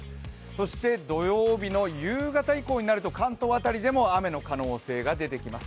そして土曜日の夕方以降になると関東辺りでも雨の可能性が出てきます。